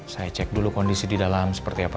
saya cek dulu kondisi di dalam seperti apa